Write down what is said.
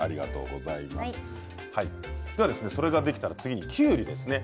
それができたら次にきゅうりですね。